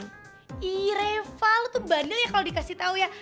gini reva lo tuh bandel ya kalau dikasih tau ya